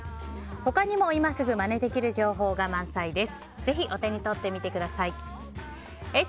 他にも今すぐまねできる情報が満載です。